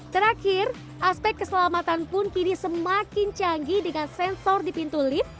terakhir aspek keselamatan pun kini semakin canggih dengan sensor di pintu lift